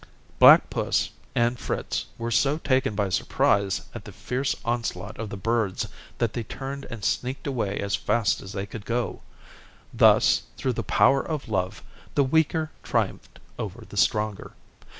Black puss and Fritz were so taken by surprise at the fierce onslaught of the birds that they turned and sneaked away as fast as they could go. Thus, through the power of love, the weaker triumphed over the stronger.